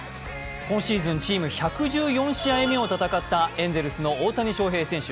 今シーズンチーム１１４試合目を戦ったエンゼルス・大谷翔平選手。